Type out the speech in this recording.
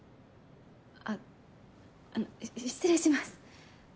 あっあの失礼します。